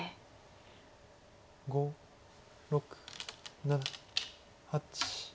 ５６７８。